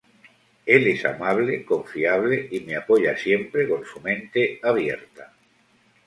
Él es amable, confiable y me apoya siempre con su mente abierta.